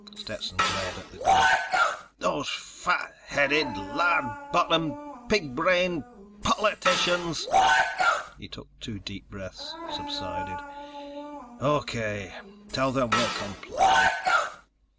Stetson glared at the grid. "Those fat headed, lard bottomed, pig brained ... POLITICIANS!" He took two deep breaths, subsided. "O.K. Tell them we'll comply."